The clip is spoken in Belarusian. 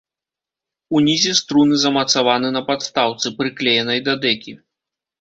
Унізе струны замацаваны на падстаўцы, прыклеенай да дэкі.